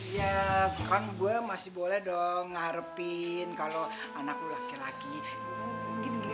ya kan gue masih boleh dong ngarepin kalau anak lo laki laki